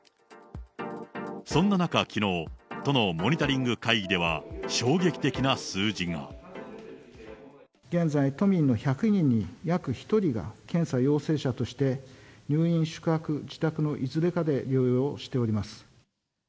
そんな中、きのう、都のモニタリング会議では、現在、都民の１００人に約１人が、検査陽性者として入院、宿泊、自宅のいずれかで療養しております。